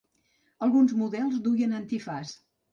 Alguns models duien antifaç.